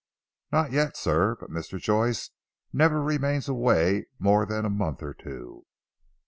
"Not yet sir. But Mr. Joyce never remains away more than a month or two."